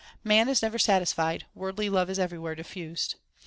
Man is never satisfied ; worldly love is everywhere diffused.